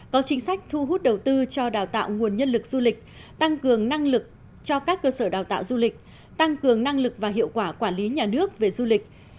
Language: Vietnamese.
có chính sách thu hút đầu tư cho đào tạo nguồn nhân lực du lịch tăng cường năng lực cho các cơ sở đào tạo du lịch tăng cường năng lực và hiệu quả quản lý nhà nước về du lịch